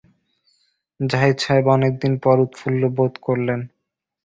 জাহিদ সাহেব অনেক দিন পর উৎফুল্ল বোধ করলেন।